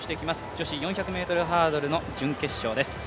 女子４００ｍハードルの準決勝です。